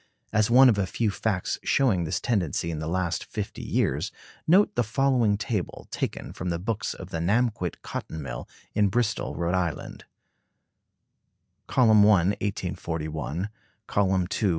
As one of a few facts showing this tendency in the last fifty years, note the following table, taken from the books of the Namquit cotton mill in Bristol, Rhode Island: Kind Of Labor.